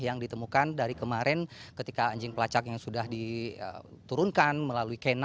yang ditemukan dari kemarin ketika anjing pelacak yang sudah diturunkan melalui kena